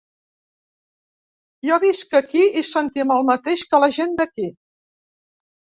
Jo visc aquí i sentim el mateix que la gent d’aquí.